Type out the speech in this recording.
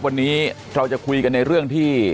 วันนี้เราจะคุยกันในเรื่องที่